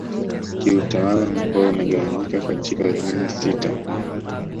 Kiutawala mkoa umegawanyika katika Wilaya sita